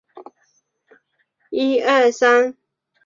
北疆锦鸡儿为豆科锦鸡儿属下的一个种。